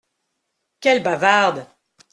Quelle bavarde !